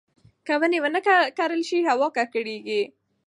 که ونې ونه کرل شي، هوا ککړېږي.